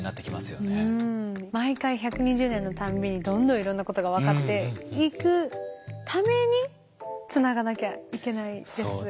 毎回１２０年の度にどんどんいろんなことが分かっていくためにつながなきゃいけないですよね。